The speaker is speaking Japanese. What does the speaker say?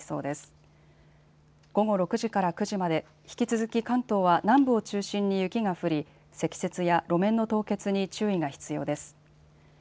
引き続き関東は南部を中心に雪が降り積雪や路面の凍結に注意が必要です。